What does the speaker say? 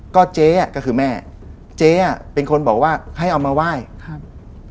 ก็เจ๊อ่ะก็คือแม่เจ๊อ่ะเป็นคนบอกว่าให้เอามาไหว้ครับ